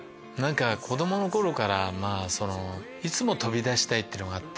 子供の頃からいつも飛び出したいっていうのがあって。